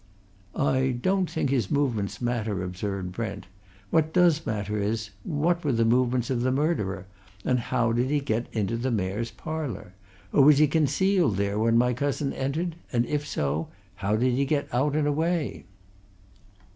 "I don't think his movements matter," observed Brent. "What does matter is what were the movements of the murderer, and how did he get into the Mayor's Parlour? Or was he concealed there when my cousin entered and, if so, how did he get out and away?"